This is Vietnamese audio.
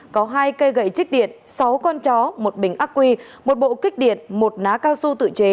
có hai cây gậy chích điện sáu con chó một bình ác quy một bộ kích điện một ná cao su tự chế